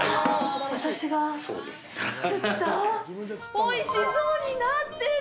おいしそうになってる！